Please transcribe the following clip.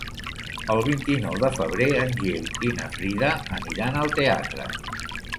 El vint-i-nou de febrer en Gil i na Frida aniran al teatre.